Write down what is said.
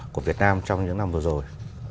của việt nam trong những năm vừa rồi